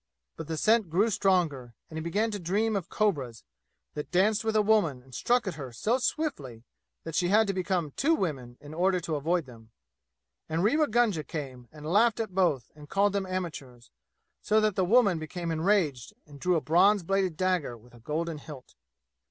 But the scent grew stronger, and he began to dream of cobras, that danced with a woman and struck at her so swiftly that she had to become two women in order to avoid them; and Rewa Gunga came and laughed at both and called them amateurs, so that the woman became enraged and drew a bronze bladed dagger with a golden hilt.